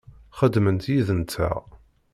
Xeddment yid-nteɣ.